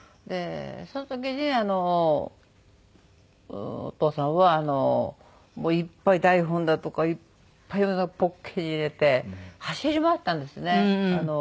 その時にお父さんはいっぱい台本だとかいっぱいポッケに入れて走り回ってたんですね。